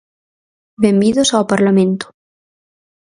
Benvidos ao Parlamento.